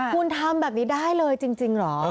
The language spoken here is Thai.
คุณทำแบบนี้ได้เลยจริงเหรอ